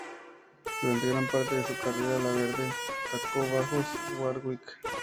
Durante gran parte de su carrera Laverde tocó bajos Warwick.